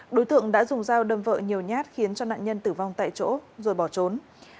đối tượng đã dùng dao đâm vợ nhiều nhát khiến cho nạn nhân tử vong tại chỗ rồi bỏ trốn